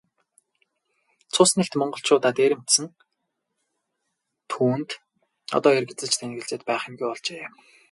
Цус нэгт монголчуудаа дээрэмдсэн түүнд одоо эргэлзэж тээнэгэлзээд байх юмгүй болжээ.